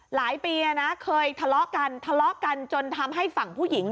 หลายปีนะเคยทะเลาะกันทะเลาะกันจนทำให้ฝั่งผู้หญิง